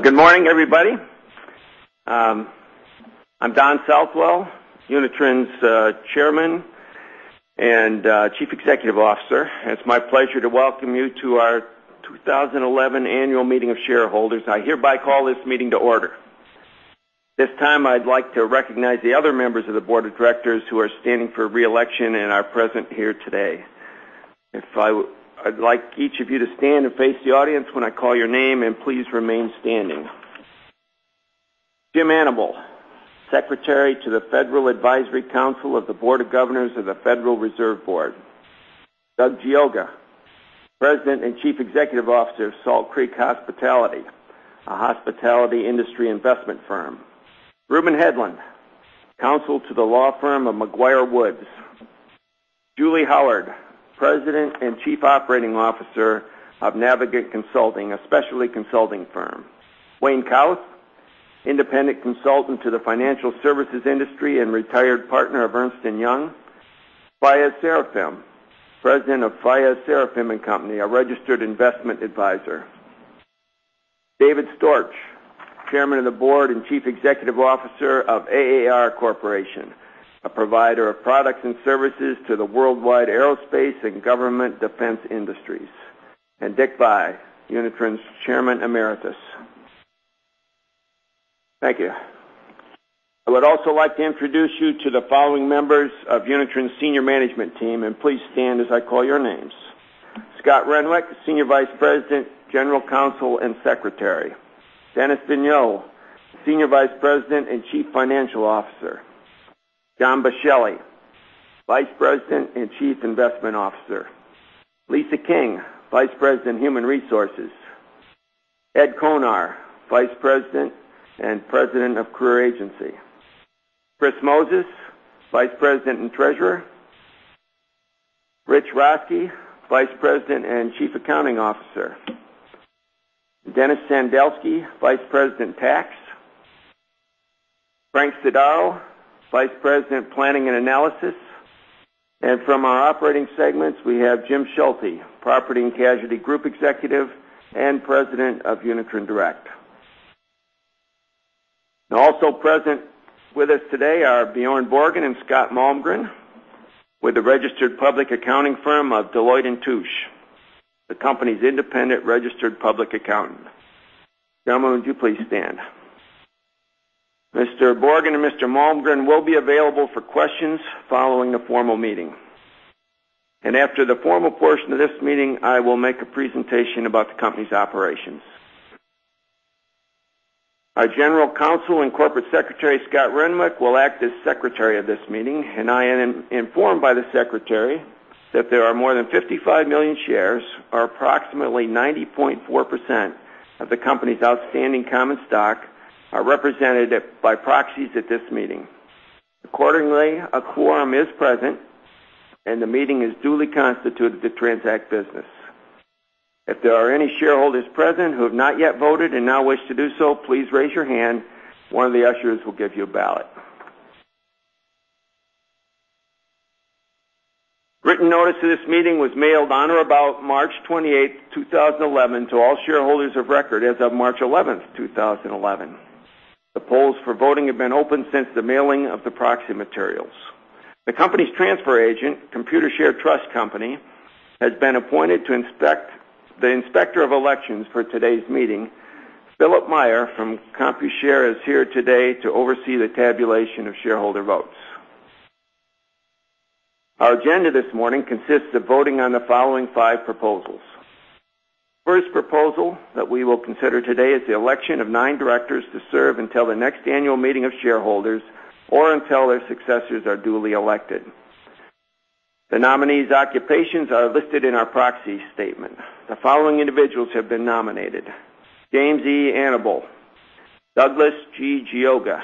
Good morning, everybody. I'm Don Southwell, Unitrin's Chairman and Chief Executive Officer. It's my pleasure to welcome you to our 2011 Annual Meeting of Shareholders. I hereby call this meeting to order. At this time, I'd like to recognize the other members of the Board of Directors who are standing for re-election and are present here today. I'd like each of you to stand and face the audience when I call your name, please remain standing. Jim Annable, Secretary to the Federal Advisory Council of the Board of Governors of the Federal Reserve System. Doug Geoga, President and Chief Executive Officer of Salt Creek Hospitality, LLC, a hospitality industry investment firm. Reuben Hedlund, Counsel to the law firm of McGuireWoods. Julie Howard, President and Chief Operating Officer of Navigant Consulting, Inc., a specialty consulting firm. Wayne Kauth, Independent Consultant to the financial services industry and retired partner of Ernst & Young. Fayez Sarofim, President of Fayez Sarofim & Co., a registered investment advisor. David Storch, Chairman of the Board and Chief Executive Officer of AAR Corporation, a provider of products and services to the worldwide aerospace and government defense industries. Richard C. Vie, Unitrin's Chairman Emeritus. Thank you. I would also like to introduce you to the following members of Unitrin's senior management team, please stand as I call your names. Scott Renwick, Senior Vice President, General Counsel, and Secretary. Dennis R. Vigneau, Senior Vice President and Chief Financial Officer. John Boschelli, Vice President and Chief Investment Officer. Lisa King, Vice President, Human Resources. Ed Konar, Vice President and President of Career Agency. Christopher Moses, Vice President and Treasurer. Richard Roeske, Vice President and Chief Accounting Officer. Dennis Sandelski, Vice President, Tax. Frank Sado, Vice President, Planning and Analysis. From our operating segments, we have Jim Schulte, Property and Casualty Group Executive and President of Unitrin Direct. Also present with us today are Bjorn Borgen and Scott Malmgren with the registered public accounting firm of Deloitte & Touche, the company's independent registered public accountant. Gentlemen, would you please stand? Mr. Borgen and Mr. Malmgren will be available for questions following the formal meeting. After the formal portion of this meeting, I will make a presentation about the company's operations. Our General Counsel and Corporate Secretary, Scott Renwick, will act as Secretary of this meeting. I am informed by the Secretary that there are more than 55 million shares, or approximately 90.4% of the company's outstanding common stock, are represented by proxies at this meeting. Accordingly, a quorum is present. The meeting is duly constituted to transact business. If there are any shareholders present who have not yet voted and now wish to do so, please raise your hand. One of the ushers will give you a ballot. Written notice of this meeting was mailed on or about March 28th, 2011, to all shareholders of record as of March 11th, 2011. The polls for voting have been open since the mailing of the proxy materials. The company's transfer agent, Computershare Trust Company, N.A., has been appointed the Inspector of Elections for today's meeting. Philip Meyer from Computershare is here today to oversee the tabulation of shareholder votes. Our agenda this morning consists of voting on the following five proposals. First proposal that we will consider today is the election of nine directors to serve until the next annual meeting of shareholders or until their successors are duly elected. The nominees' occupations are listed in our proxy statement. The following individuals have been nominated: James E. Annable, Douglas G. Geoga,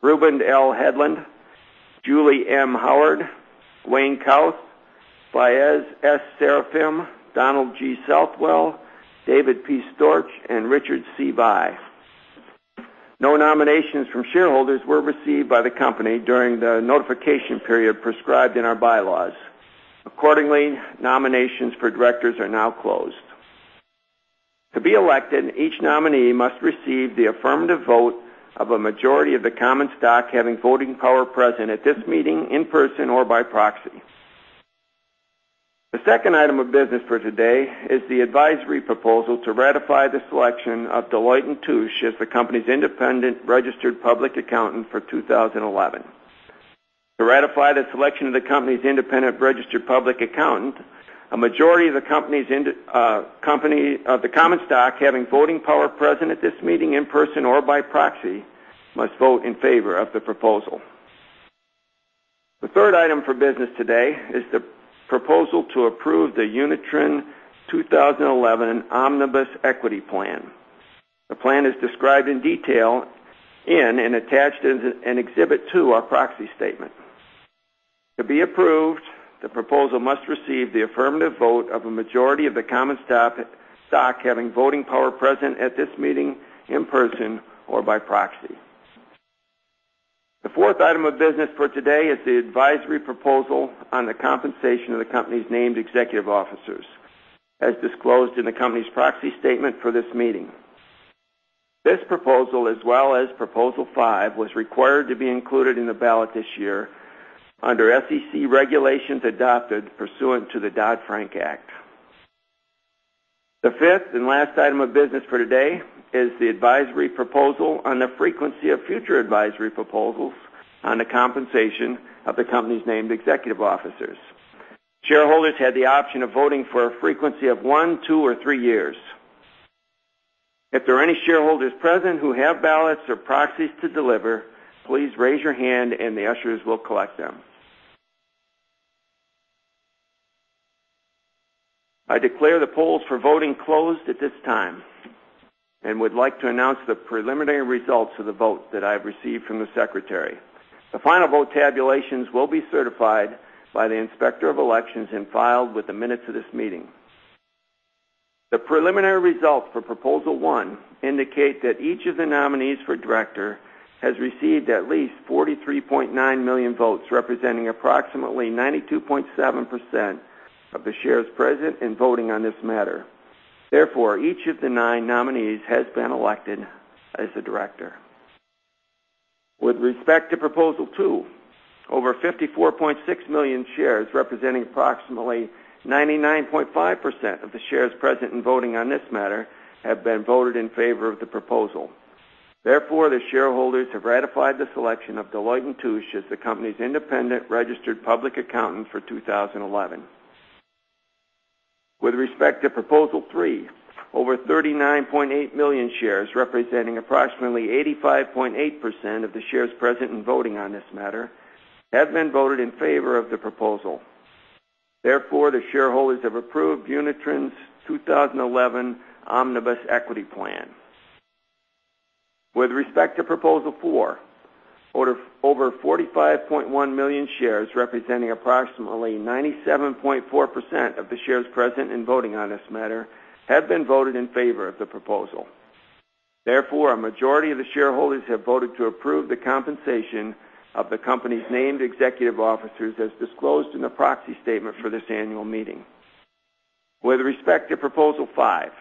Reuben L. Hedlund, Julie M. Howard, Wayne Kauth, Fayez S. Sarofim, Donald G. Southwell, David P. Storch, and Richard C. Vie. No nominations from shareholders were received by the company during the notification period prescribed in our bylaws. Accordingly, nominations for directors are now closed. To be elected, each nominee must receive the affirmative vote of a majority of the common stock having voting power present at this meeting in person or by proxy. The second item of business for today is the advisory proposal to ratify the selection of Deloitte & Touche as the company's independent registered public accountant for 2011. To ratify the selection of the company's independent registered public accountant, a majority of the common stock having voting power present at this meeting in person or by proxy must vote in favor of the proposal. The third item for business today is the proposal to approve the Unitrin 2011 Omnibus Equity Plan. The plan is described in detail in and attached as an Exhibit 2, our proxy statement. To be approved, the proposal must receive the affirmative vote of a majority of the common stock having voting power present at this meeting in person or by proxy. Fourth item of business for today is the advisory proposal on the compensation of the company's named executive officers, as disclosed in the company's proxy statement for this meeting. This proposal, as well as Proposal 5, was required to be included in the ballot this year under SEC regulations adopted pursuant to the Dodd-Frank Act. The fifth and last item of business for today is the advisory proposal on the frequency of future advisory proposals on the compensation of the company's named executive officers. Shareholders had the option of voting for a frequency of one, two, or three years. If there are any shareholders present who have ballots or proxies to deliver, please raise your hand and the ushers will collect them. I declare the polls for voting closed at this time and would like to announce the preliminary results of the vote that I have received from the secretary. The final vote tabulations will be certified by the Inspector of Elections and filed with the minutes of this meeting. The preliminary results for Proposal 1 indicate that each of the nominees for director has received at least 43.9 million votes, representing approximately 92.7% of the shares present in voting on this matter. Therefore, each of the 9 nominees has been elected as a director. With respect to Proposal 2, over 54.6 million shares, representing approximately 99.5% of the shares present in voting on this matter, have been voted in favor of the proposal. Therefore, the shareholders have ratified the selection of Deloitte & Touche as the company's independent registered public accountant for 2011. With respect to Proposal 3, over 39.8 million shares, representing approximately 85.8% of the shares present in voting on this matter, have been voted in favor of the proposal. Therefore, the shareholders have approved Unitrin's 2011 Omnibus Equity Plan. With respect to Proposal 4, over 45.1 million shares, representing approximately 97.4% of the shares present in voting on this matter, have been voted in favor of the proposal. Therefore, a majority of the shareholders have voted to approve the compensation of the company's named executive officers, as disclosed in the proxy statement for this annual meeting. With respect to Proposal five,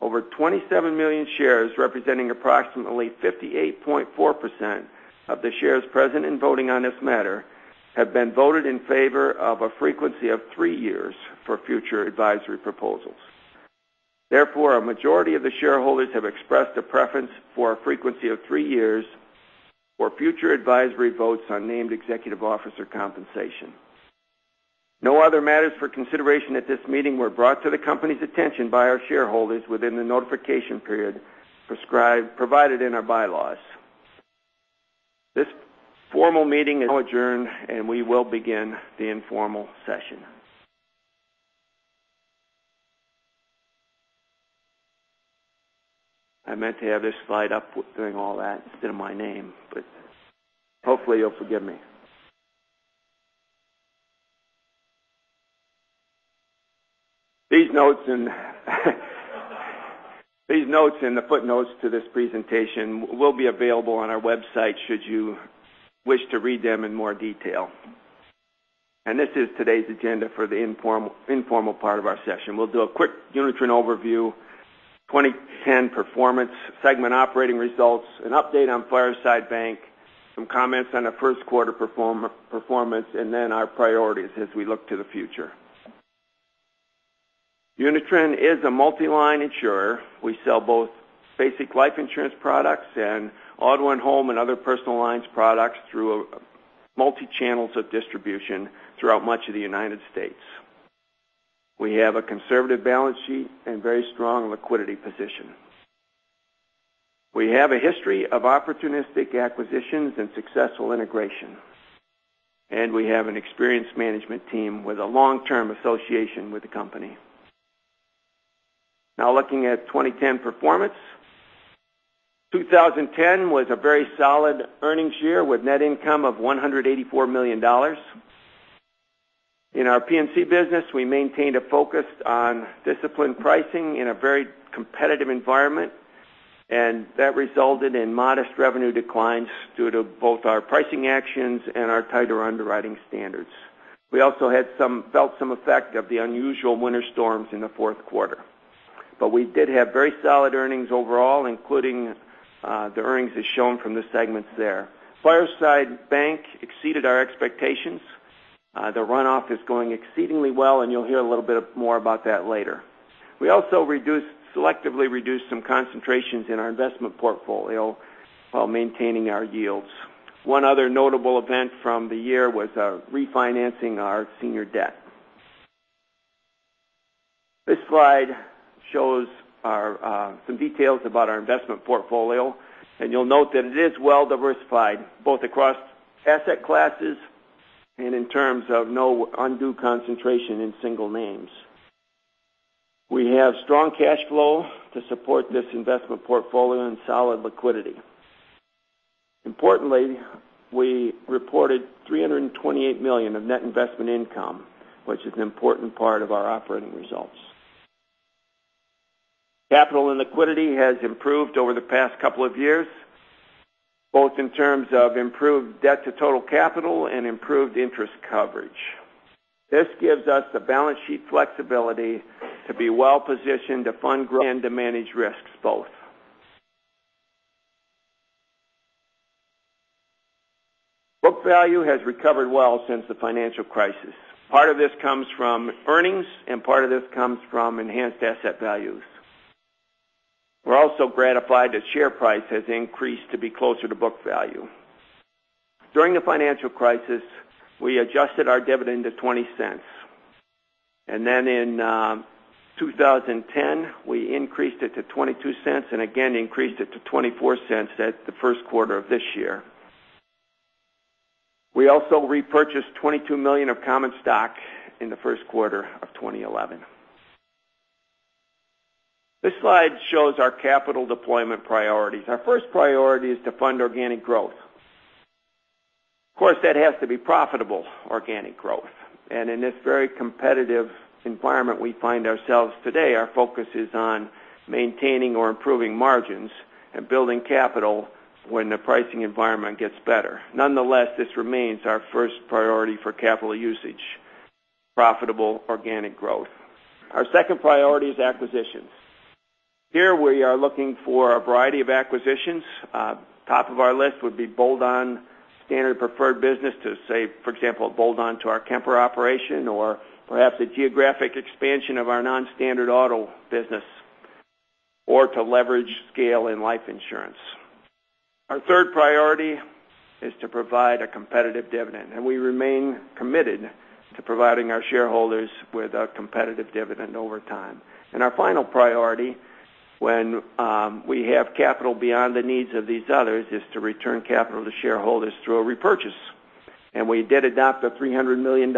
over 27 million shares, representing approximately 58.4% of the shares present in voting on this matter, have been voted in favor of a frequency of three years for future advisory proposals. Therefore, a majority of the shareholders have expressed a preference for a frequency of three years for future advisory votes on named executive officer compensation. No other matters for consideration at this meeting were brought to the company's attention by our shareholders within the notification period provided in our bylaws. This formal meeting is now adjourned. We will begin the informal session. I meant to have this slide up during all that instead of my name, but hopefully you'll forgive me. These notes and the footnotes to this presentation will be available on our website should you wish to read them in more detail. This is today's agenda for the informal part of our session. We'll do a quick Unitrin overview, 2010 performance, segment operating results, an update on Fireside Bank, some comments on the first quarter performance, then our priorities as we look to the future. Unitrin is a multi-line insurer. We sell both basic life insurance products and auto and home and other personal lines products through multi-channels of distribution throughout much of the United States. We have a conservative balance sheet and very strong liquidity position. We have a history of opportunistic acquisitions and successful integration. We have an experienced management team with a long-term association with the company. Looking at 2010 performance. 2010 was a very solid earnings year with net income of $184 million. In our P&C business, we maintained a focus on disciplined pricing in a very competitive environment. That resulted in modest revenue declines due to both our pricing actions and our tighter underwriting standards. We also felt some effect of the unusual winter storms in the fourth quarter. We did have very solid earnings overall, including the earnings as shown from the segments there. Fireside Bank exceeded our expectations. The runoff is going exceedingly well. You'll hear a little bit more about that later. We also selectively reduced some concentrations in our investment portfolio while maintaining our yields. One other notable event from the year was refinancing our senior debt. This slide shows some details about our investment portfolio. You'll note that it is well diversified both across asset classes and in terms of no undue concentration in single names. We have strong cash flow to support this investment portfolio and solid liquidity. Importantly, we reported $328 million of net investment income, which is an important part of our operating results. Capital and liquidity has improved over the past couple of years, both in terms of improved debt to total capital and improved interest coverage. This gives us the balance sheet flexibility to be well positioned to fund growth and to manage risks both. Book value has recovered well since the financial crisis. Part of this comes from earnings. Part of this comes from enhanced asset values. We're also gratified that share price has increased to be closer to book value. During the financial crisis, we adjusted our dividend to $0.20. Then in 2010, we increased it to $0.22, and again increased it to $0.24 at the first quarter of this year. We also repurchased $22 million of common stock in the first quarter of 2011. This slide shows our capital deployment priorities. Our first priority is to fund organic growth. Of course, that has to be profitable organic growth. In this very competitive environment we find ourselves today, our focus is on maintaining or improving margins and building capital when the pricing environment gets better. Nonetheless, this remains our first priority for capital usage, profitable organic growth. Our second priority is acquisitions. Here, we are looking for a variety of acquisitions. Top of our list would be bolt-on standard preferred business to, say, for example, bolt on to our Kemper operation or perhaps a geographic expansion of our non-standard auto business or to leverage scale in life insurance. Our third priority is to provide a competitive dividend, and we remain committed to providing our shareholders with a competitive dividend over time. Our final priority, when we have capital beyond the needs of these others, is to return capital to shareholders through a repurchase. We did adopt a $300 million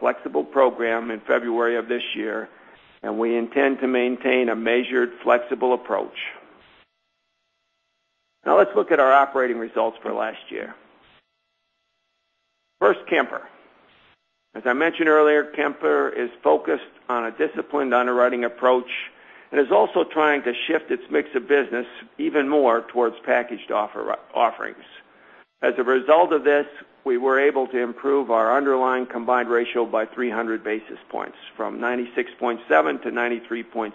flexible program in February of this year, and we intend to maintain a measured, flexible approach. Now let's look at our operating results for last year. First, Kemper. As I mentioned earlier, Kemper is focused on a disciplined underwriting approach and is also trying to shift its mix of business even more towards packaged offerings. As a result of this, we were able to improve our underlying combined ratio by 300 basis points from 96.7 to 93.6.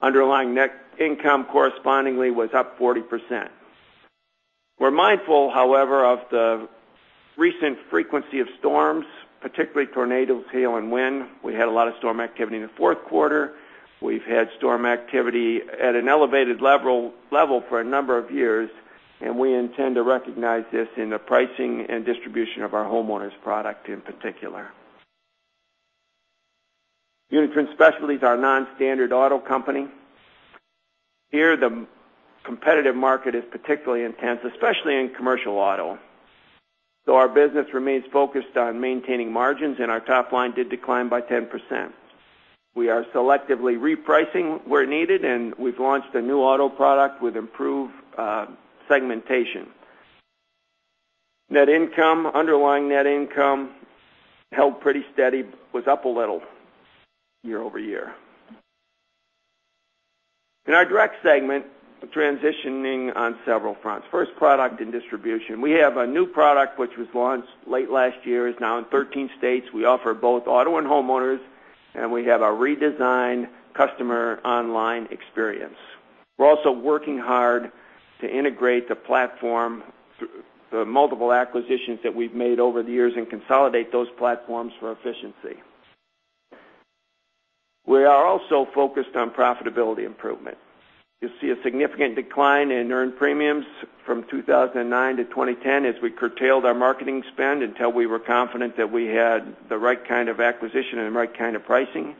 Underlying net income correspondingly was up 40%. We're mindful, however, of the recent frequency of storms, particularly tornadoes, hail, and wind. We had a lot of storm activity in the fourth quarter. We've had storm activity at an elevated level for a number of years, and we intend to recognize this in the pricing and distribution of our homeowners product in particular. Unitrin Specialty is our non-standard auto company. Here, the competitive market is particularly intense, especially in commercial auto. Our business remains focused on maintaining margins, and our top line did decline by 10%. We are selectively repricing where needed, and we've launched a new auto product with improved segmentation. Net income, underlying net income held pretty steady, was up a little year-over-year. In our direct segment, transitioning on several fronts. First, product and distribution. We have a new product which was launched late last year, is now in 11 states. We offer both auto and homeowners, and we have a redesigned customer online experience. We're also working hard to integrate the platform through the multiple acquisitions that we've made over the years and consolidate those platforms for efficiency. We are also focused on profitability improvement. You'll see a significant decline in earned premiums from 2009 to 2010 as we curtailed our marketing spend until we were confident that we had the right kind of acquisition and the right kind of pricing,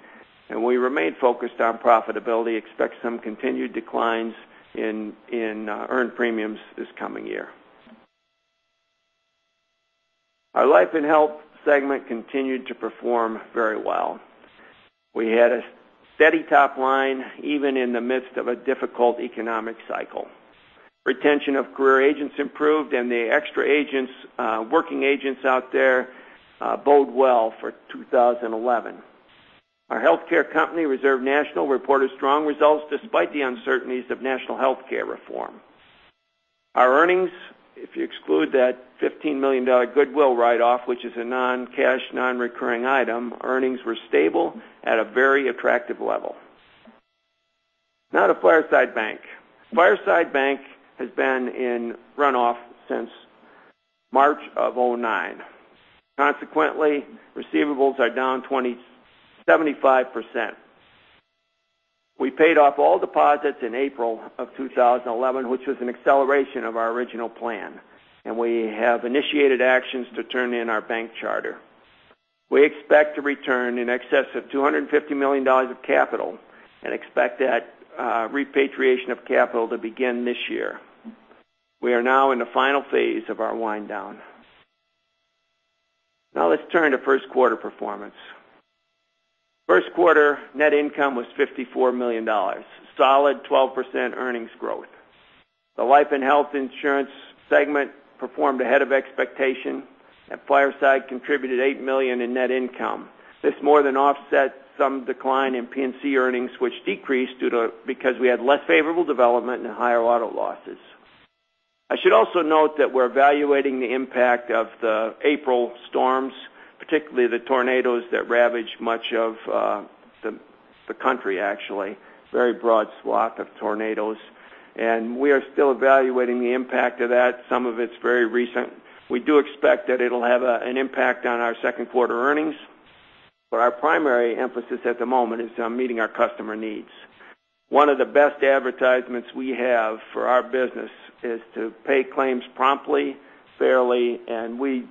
and we remain focused on profitability. Expect some continued declines in earned premiums this coming year. Our life and health segment continued to perform very well. We had a steady top line even in the midst of a difficult economic cycle. Retention of career agents improved. The extra agents, working agents out there bode well for 2011. Our healthcare company, Reserve National, reported strong results despite the uncertainties of national healthcare reform. Our earnings, if you exclude that $15 million goodwill write-off, which is a non-cash, non-recurring item, earnings were stable at a very attractive level. To Fireside Bank. Fireside Bank has been in runoff since March of 2009. Consequently, receivables are down 75%. We paid off all deposits in April of 2011, which was an acceleration of our original plan. We have initiated actions to turn in our bank charter. We expect to return in excess of $250 million of capital. Expect that repatriation of capital to begin this year. We are now in the final phase of our wind down. Let's turn to first quarter performance. First quarter net income was $54 million. Solid 12% earnings growth. The life and health insurance segment performed ahead of expectation. Fireside contributed $8 million in net income. This more than offset some decline in P&C earnings, which decreased because we had less favorable development and higher auto losses. I should also note that we're evaluating the impact of the April storms, particularly the tornadoes that ravaged much of the country, actually. Very broad swath of tornadoes. We are still evaluating the impact of that. Some of it's very recent. We do expect that it'll have an impact on our second quarter earnings, but our primary emphasis at the moment is on meeting our customer needs. One of the best advertisements we have for our business is to pay claims promptly, fairly. We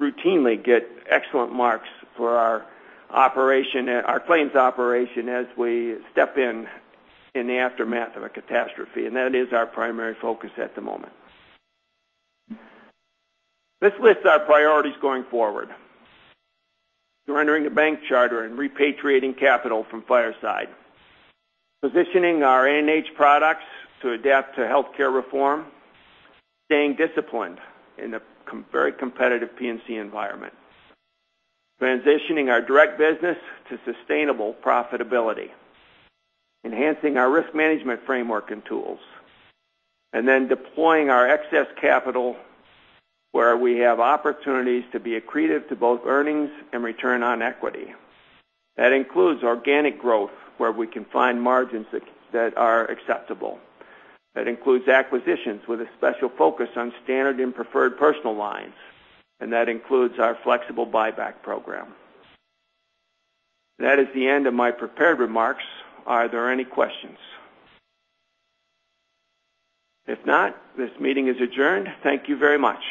routinely get excellent marks for our claims operation as we step in in the aftermath of a catastrophe. That is our primary focus at the moment. This lists our priorities going forward. Surrendering a bank charter and repatriating capital from Fireside. Positioning our A&H products to adapt to healthcare reform. Staying disciplined in a very competitive P&C environment. Transitioning our direct business to sustainable profitability. Enhancing our risk management framework and tools. Deploying our excess capital where we have opportunities to be accretive to both earnings and return on equity. That includes organic growth, where we can find margins that are acceptable. That includes acquisitions with a special focus on standard and preferred personal lines. That includes our flexible buyback program. That is the end of my prepared remarks. Are there any questions? If not, this meeting is adjourned. Thank you very much